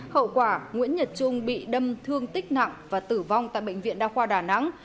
hậu quả nguyễn nhật trung bị đâm thương tích nặng và tử vong tại bệnh viện đa khoa đà nẵng